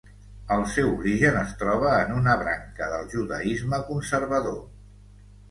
El seu origen es troba en una branca del judaisme conservador.